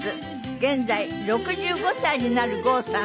現在６５歳になる郷さん。